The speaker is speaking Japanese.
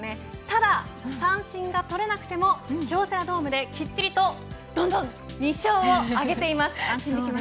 ただ、三振が取れなくても京セラドームできちんと２勝を挙げています。